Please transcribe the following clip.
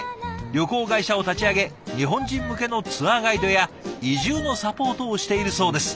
旅行会社を立ち上げ日本人向けのツアーガイドや移住のサポートをしているそうです。